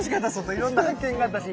いろんな発見があったし。